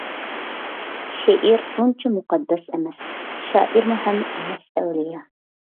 شېئىر ئۇنچە مۇقەددەس ئەمەس، شائىرمۇ ھەم ئەمەس ئەۋلىيا.